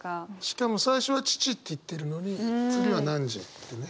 しかも最初は「父」って言ってるのに次は「汝」ってね。